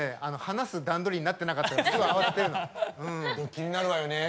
気になるわよね！